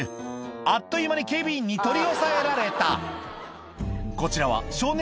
あっという間に警備員に取り押さえられたこちらは少年